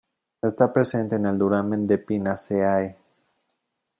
Está presente en el duramen de "Pinaceae".